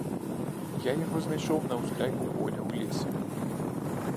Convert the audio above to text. Я яго знайшоў на ўскрайку поля, у лесе.